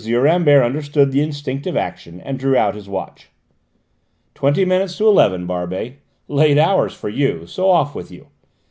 Rambert understood the instinctive action and drew out his watch. "Twenty minutes to eleven, Barbey: late hours for you. So off with you."